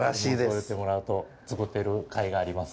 そう言ってもらうと作ってるかいがあります。